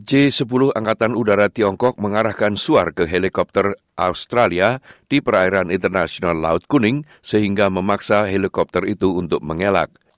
j sepuluh angkatan udara tiongkok mengarahkan suar ke helikopter australia di perairan internasional laut kuning sehingga memaksa helikopter itu untuk mengelak